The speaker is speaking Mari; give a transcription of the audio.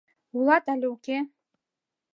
Улат але уке?